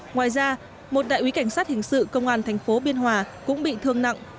ngoài ra một đại úy cảnh sát hình sự công an thành phố biên hòa cũng bị thương nặng